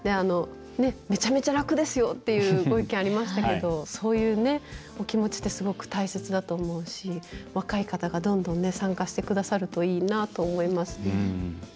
「めちゃめちゃ楽ですよ」っていうご意見ありましたけどそういうお気持ちってすごく大切だと思うし、若い方がどんどん参加してくださるといいなと思いますね。